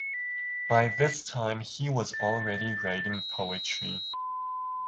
By this time he was already writing poetry.